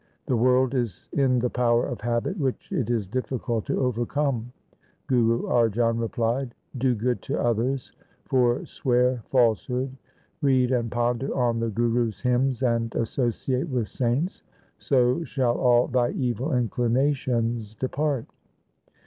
The world is in the power of habit, which it is difficult to overcome.' Guru Arjan replied, ' Do good to others, forswear falsehood, read and ponder on the Gurus' hymns and associate with saints, so shall all thy evil inclinations depart.'